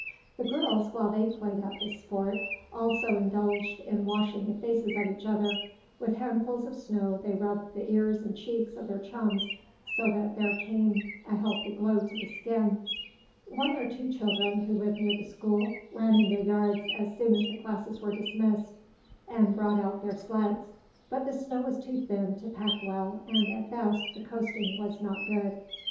The girls, while they played at this sport, also indulged in washing the faces of each other. With handsful of snow they rubbed the ears and cheeks of their chums so that there came a healthy glow to the skin. One or two children, who lived near the school, ran in their yards as soon as the classes were dismissed, and brought out their sleds. But the snow was too thin to pack well and at best the coasting was not good.